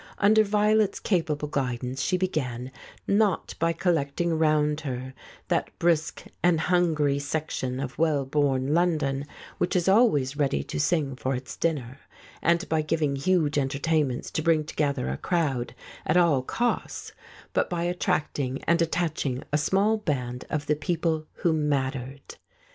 Under Violet's capable guidance she began, not by collecting round her that brisk and hungry section of well born London which is always ready to sing for its dinner, and by giving huge entertainments to bring together a crowd at all *35 The False Step costs, but by attracting and attaching a small band of the people who mattered.